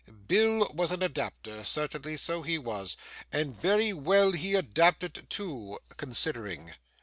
Bill was an adapter, certainly, so he was and very well he adapted too considering.